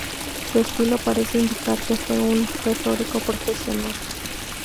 Su estilo parece indicar que fue un retórico profesional.